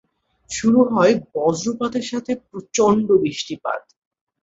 শুরু হয় বজ্রপাতের সাথে প্রচন্ড বৃষ্টিপাত।